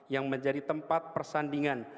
yang menjadi tempat persandingan